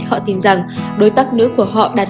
họ tin rằng đối tác nữ của họ đạt